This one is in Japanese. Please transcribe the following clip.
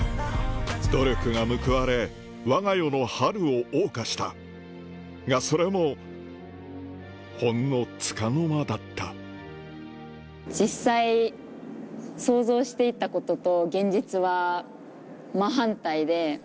努力が報われわが世の春を謳歌したがそれもほんのつかの間だった実際想像していたことと現実は真反対で。